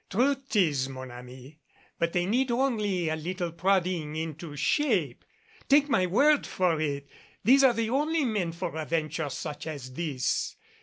"True it is, mon ami, but they need only a little prodding into shape. Take my word for it, these are the only men for a venture such as this.